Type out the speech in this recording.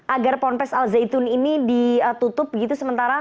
agar pornpes alzeitun ini ditutup begitu sementara